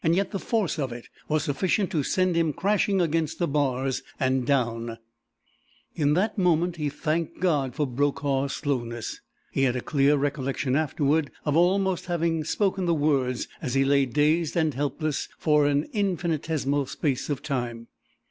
Yet the force of it was sufficient to send him crashing against the bars and down. In that moment he thanked God for Brokaw's slowness. He had a clear recollection afterward of almost having spoken the words as he lay dazed and helpless for an infinitesimal space of time.